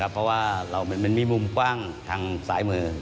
เพราะว่ามันมีมุมกว้างทางซ้ายมือ